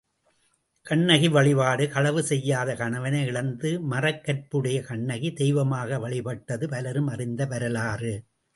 கண்ணகி வழிபாடு களவு செய்யாத கணவனை இழந்த மறக்கற்பு உடைய கண்ணகி தெய்வமாக வழிபடப்பட்டது பலரும் அறிந்த வரலாறு.